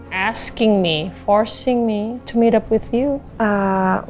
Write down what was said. maksudnya minta saya memaksa saya untuk bertemu dengan kamu